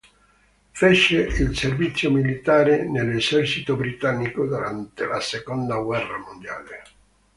Fece il servizio militare nell'esercito britannico durante la seconda guerra mondiale.